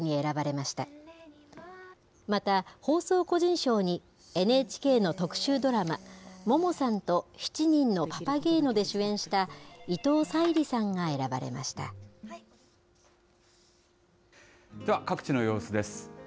また、放送個人賞に、ＮＨＫの特集ドラマ、ももさんと７人のパパゲーノで主演した伊藤沙莉さんが選ばれましでは、各地の様子です。